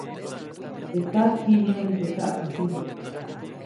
Teʼ tsat ji myäʼni teʼ tsaʼkäsibä.